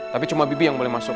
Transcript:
tapi cuma bibi yang boleh masuk